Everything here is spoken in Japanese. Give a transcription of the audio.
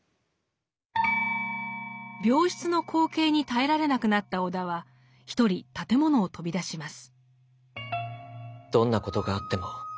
病室の光景に耐えられなくなった尾田は一人建物を飛び出します。